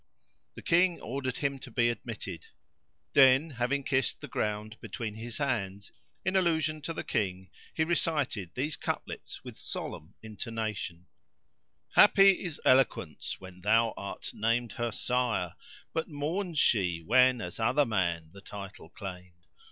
The King ordered him to be admitted; then, having kissed the ground between his hands, in allusion to the King he recited these couplets with solemn intonation:— Happy is Eloquence when thou art named her sire * But mourns she whenas other man the title claimed.